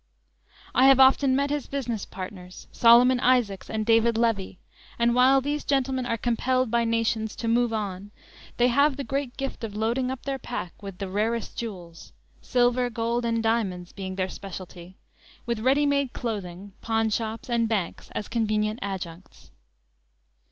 I have often met his business partners, Solomon Isaacs and David Levy; and while these gentlemen are compelled by nations to "move on," they have the great gift of loading up their pack with the rarest jewels silver, gold and diamonds being their great specialty with ready made clothing, pawnshops and banks as convenient adjuncts.